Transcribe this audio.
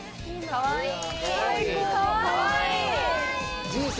かわいい！